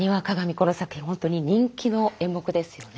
この作品本当に人気の演目ですよね。